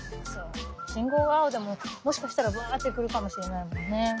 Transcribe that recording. しんごうがあおでももしかしたらブってくるかもしれないもんね。